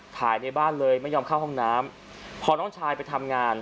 ในบ้านเลยไม่ยอมเข้าห้องน้ำพอน้องชายไปทำงาน